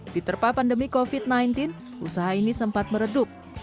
diterpah pandemi covid sembilan belas usaha ini sempat meredup